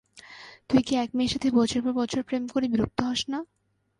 তুই কি এক মেয়ের সাথে বছরের পর বছর প্রেম করে বিরক্ত হস না?